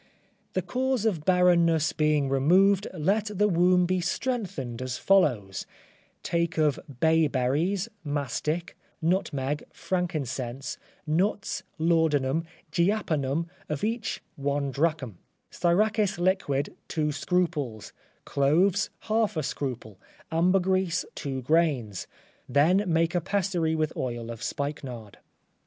The cause of barrenness being removed, let the womb be strengthened as follows; Take of bay berries, mastic, nutmeg, frankincense, nuts, laudanum, giapanum, of each one drachm, styracis liquid, two scruples, cloves half a scruple, ambergris two grains, then make a pessary with oil of spikenard.